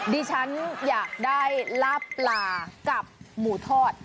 ดิฉันอยากได้ลาบปลากับหมูทอด